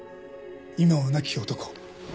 今は亡き男。